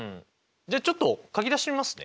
じゃあちょっと書き出してみますね。